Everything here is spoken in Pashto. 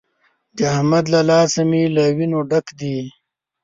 د احمد له لاسه مې له وينو ډک دی.